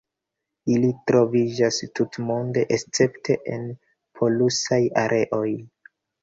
Ili troviĝas tutmonde escepte en polusaj areoj.